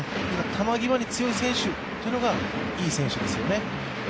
球際に強い選手というのがいい選手ですよね。